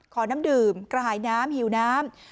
น้ำดื่มกระหายน้ำหิวน้ำ